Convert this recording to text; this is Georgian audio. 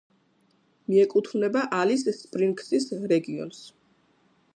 მიეკუთვნება ალის-სპრინგსის რეგიონს.